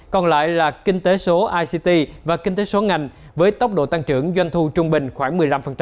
còn lại là kinh tế số ict và kinh tế số ngành với tốc độ tăng trưởng doanh thu trung bình khoảng một mươi năm